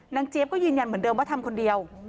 เจี๊ยบก็ยืนยันเหมือนเดิมว่าทำคนเดียว